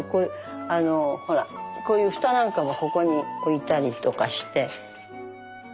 あのほらこういう蓋なんかもここに置いたりとかして。